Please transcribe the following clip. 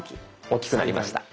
大きくなりました。